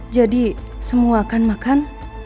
jadi semua kan makan